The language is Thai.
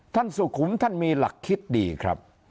สุขุมท่านมีหลักคิดดีครับ